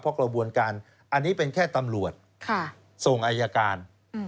กระบวนการอันนี้เป็นแค่ตำรวจส่งอายการ